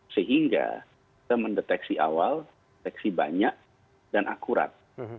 sehingga kita mendeteksi awal deteksi banyak dan akurat